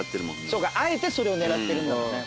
そうかあえてそれを狙ってるんだもんね。